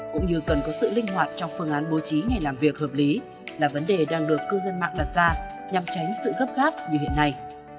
cũng như cần có sự linh hoạt trong phương án bố trí ngày làm việc hợp lý là vấn đề đang được cư dân mạng đặt ra nhằm tránh sự gấp gác như hiện nay